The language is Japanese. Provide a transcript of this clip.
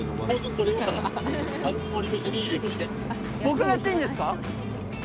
僕がやっていいんですか？